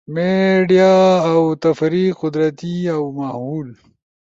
میڈیا اؤ تفریح، قدرتی اؤ ماھول